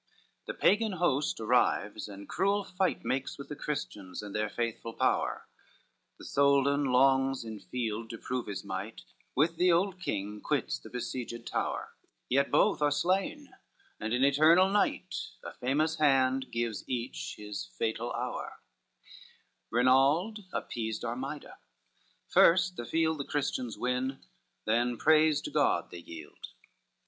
The Pagan host arrives, and cruel fight Makes with the Christians and their faithful power; The Soldan longs in field to prove his might, With the old king quits the besieged tower; Yet both are slain, and in eternal night A famous hand gives each his fatal hour; Rinald appeased Armida; first the field The Christians win, then praise to God they yield.